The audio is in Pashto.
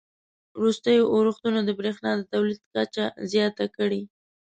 وروستیو اورښتونو د بریښنا د تولید کچه زیاته کړې